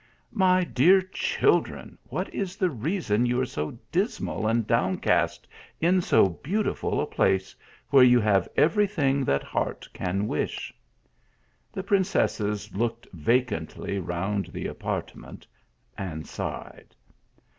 " My dear children, what is the reason you are so dismal and downcast, in so beautiful a place, where you have every thing that heart can wish ?" The princesses looked vacantly round the apart ment, and sighed.